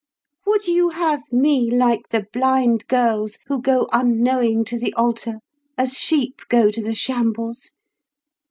Would you have me like the blind girls who go unknowing to the altar, as sheep go to the shambles?